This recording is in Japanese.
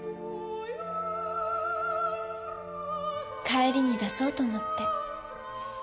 帰りに出そうと思って。